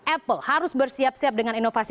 apple harus bersiap siap dengan inovasi